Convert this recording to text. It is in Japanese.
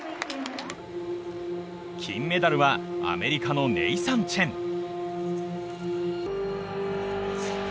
金メダルはアメリカのネイサン・チェン。